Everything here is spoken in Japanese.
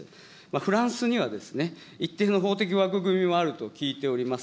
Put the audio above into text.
フランスには一定の法的枠組みもあると聞いております。